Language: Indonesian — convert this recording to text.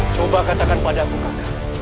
coba katakan padaku kakak